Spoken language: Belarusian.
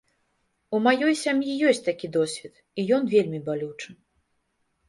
У маёй сям'і ёсць такі досвед, і ён вельмі балючы.